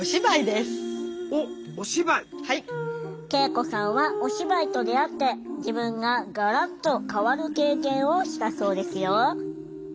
圭永子さんはお芝居と出会って自分がガラッと変わる経験をしたそうですよ。